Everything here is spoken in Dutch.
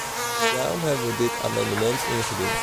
Daarom hebben we dit amendement ingediend.